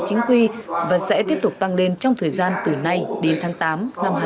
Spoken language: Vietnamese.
chính quy và sẽ tiếp tục tăng lên trong thời gian từ nay đến tháng tám năm hai nghìn hai mươi